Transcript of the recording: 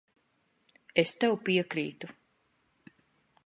Es tev piekrītu.